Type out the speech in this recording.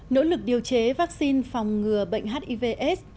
nỗ lực điều chế vaccine phòng ngừa bệnh hiv aids